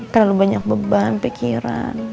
terlalu banyak beban pikiran